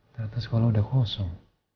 ternyata sekolah udah kosong